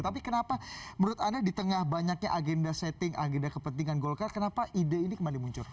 tapi kenapa menurut anda di tengah banyaknya agenda setting agenda kepentingan golkar kenapa ide ini kembali muncul